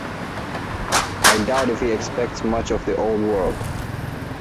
I doubt if he expects much of the old world.